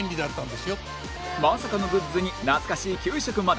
まさかのグッズに懐かしい給食まで